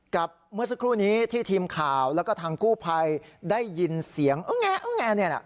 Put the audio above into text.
เมื่อสักครู่นี้ที่ทีมข่าวแล้วก็ทางกู้ภัยได้ยินเสียงอึ้งแอร์